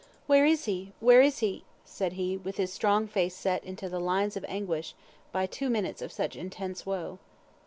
"Where is he? where is the " said he, with his strong face set into the lines of anguish, by two minutes of such intense woe.